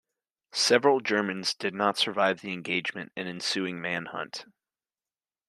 Several Germans did survive the engagement and ensuing manhunt.